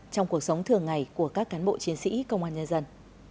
trong cuộc sống thường ngày của các cán bộ chiến sĩ công an nhân dân